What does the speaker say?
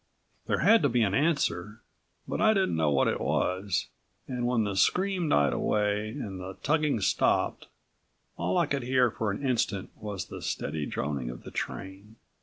There had to be an answer but I didn't know what it was, and when the scream died away and the tugging stopped all I could hear for an instant was the steady droning of the train.